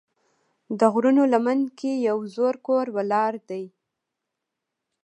د غرونو لمن کې یو زوړ کور ولاړ دی.